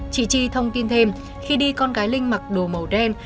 chị chi thông tin thêm khi đi con gái linh mặc đồ màu đen